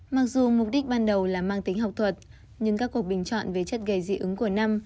mặc dù mục đích ban đầu là mang tính học thuật nhưng các cuộc bình chọn về chất gây dị ứng của năm